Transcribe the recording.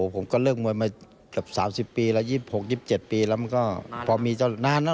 ผมก็เลิกมวยมาแบบ๓๐ปีแล้ว๒๖๒๗ปีแล้ว